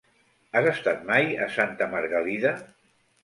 Has estat mai a Santa Margalida?